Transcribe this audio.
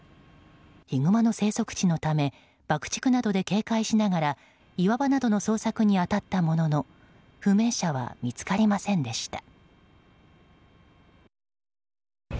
ヒグマの生息地のため爆竹などで警戒しながら岩場などの捜索に当たったものの不明者は見つかりませんでした。